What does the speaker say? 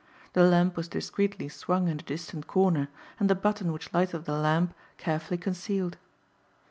The lamp was discreetly swung in a distant corner and the button which lighted the lamp carefully concealed.